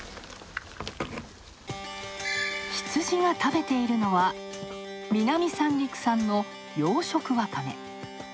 羊が食べているのは南三陸産の養殖わかめ。